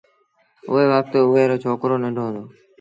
اُئي وکت اُئي رو ڇوڪرو ننڍو هُݩدو